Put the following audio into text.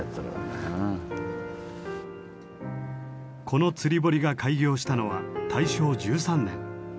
この釣堀が開業したのは大正１３年。